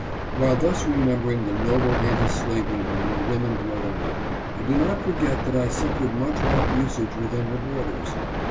While thus remembering the noble anti slavery men and women of Rhode Island, I do not forget that I suffered much rough usage within her borders.